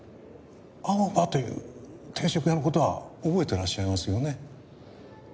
青葉という定食屋の事は覚えてらっしゃいますよね？